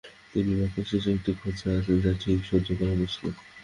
প্রতিটি বাক্যের শেষে একটি খোঁচা আছে, যা ঠিক সহ্য করা মুশকিল।